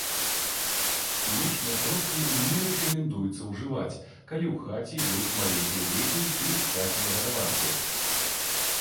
Хімічныя сродкі не рэкамендуецца ўжываць, калі ў хаце ёсць маленькія дзеці ці хатнія гадаванцы.